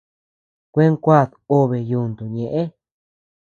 Kuéd kuad obe yúntu ñëʼe.